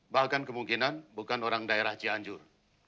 bahkan kemungkinan bukan orang daerah cianjur